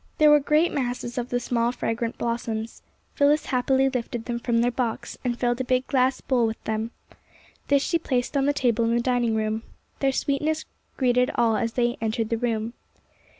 There were great masses of the small, fra grant blossoms. Phyllis happily lifted them from their box, and filled a big glass bowl with them. This she placed on the table in the dinmg room. Their sweetness greeted all as they entered the room.